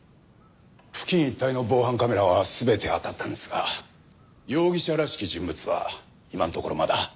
付近一帯の防犯カメラは全てあたったんですが容疑者らしき人物は今のところまだ。